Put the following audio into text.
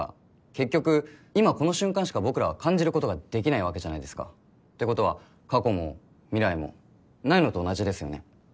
結局今この瞬間しか僕らは感じることができないわけじゃないですかってことは過去も未来もないのと同じですよね？